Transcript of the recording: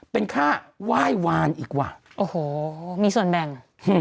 เป็นค่าไหว้วานอีกว่ะโอ้โหมีส่วนแบ่ง